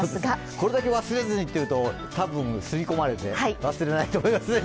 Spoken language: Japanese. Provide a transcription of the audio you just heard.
これだけ忘れずにというと多分擦り込まれて忘れないと思いますね。